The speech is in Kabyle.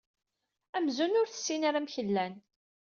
Amzun ur tessin ara amek llan.